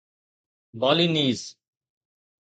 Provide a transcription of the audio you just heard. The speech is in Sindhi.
بالينيز